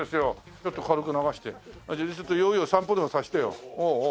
ちょっと軽く流してちょっとヨーヨー散歩でもさせてよ。